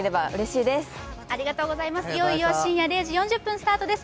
いよいよ深夜０時４０分スタートです。